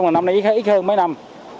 năm nay ít hơn mấy năm